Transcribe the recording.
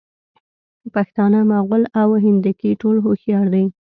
پښتانه، مغل او هندکي ټول هوښیار دي.